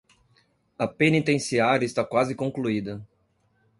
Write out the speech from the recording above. A penitenciária está quase concluída